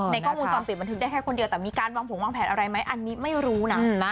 กล้องวงจรปิดบันทึกได้แค่คนเดียวแต่มีการวางผงวางแผนอะไรไหมอันนี้ไม่รู้นะ